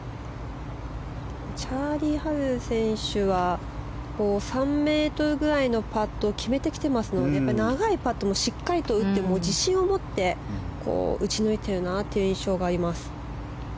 チャーリー・ハル選手は３ｍくらいのパットを決めてきていますので長いパットも打って自信を持って打ち抜いてる印象があります。